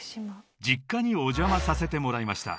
［実家にお邪魔させてもらいました］